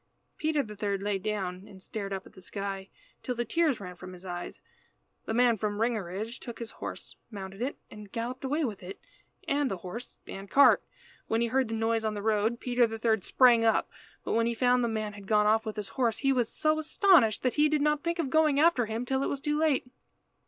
Peter the third lay down and stared up at the sky till the tears ran from his eyes. The man from Ringerige took his horse, mounted it, and galloped away with it and the horse and cart. When he heard the noise on the road, Peter the third sprang up, but when he found the man had gone off with his horse he was so astonished that he did not think of going after him till it was too late.